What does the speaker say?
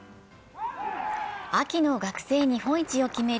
秋の学生日本一を決める